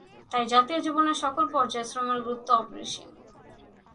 তাই জাতীয় জীবনের সকল পর্যায়ে শ্রমের গুরুত্ব অপরিসীম।